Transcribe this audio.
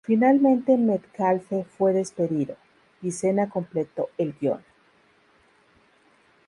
Finalmente Metcalfe fue despedido y Sena completo el guion.